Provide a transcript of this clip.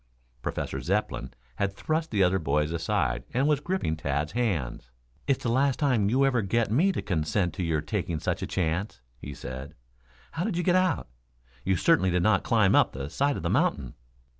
Professor Zepplin had thrust the other boys aside and was gripping Tad's hands. "It's the last time you ever get me to consent to your taking such a chance," he said. "How did you get out? You certainly did not climb up the side of the mountain."